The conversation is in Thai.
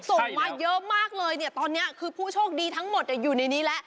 ส่งมาเยอะมากเลยเนี่ยตอนนี้คือผู้โชคดีทั้งหมดอยู่ในนี้แล้ว